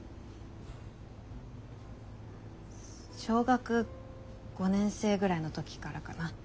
小学５年生ぐらいの時からかな？